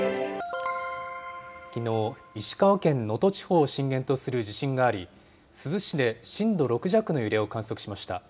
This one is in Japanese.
きのう、石川県能登地方を震源とする地震があり、珠洲市で震度６弱の揺れを観測しました。